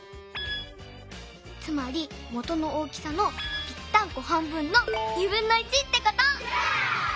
つまりもとの大きさのぴったんこ半分のってこと！